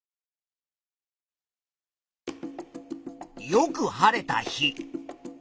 よく晴れた日。